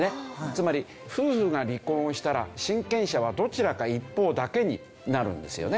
つまり夫婦が離婚をしたら親権者はどちらか一方だけになるんですよね。